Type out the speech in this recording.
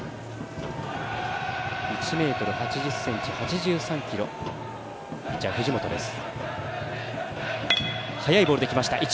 １ｍ８０ｃｍ、８３ｋｇピッチャー、藤本です。